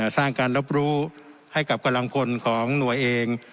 สร้างการรับรู้ให้กับกำลังพลของหน่วยเอง